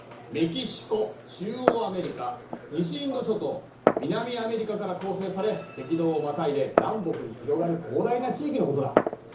メキシコ中央アメリカ西インド諸島南アメリカから構成され赤道をまたいで南北に広がる広大な地域のことだ。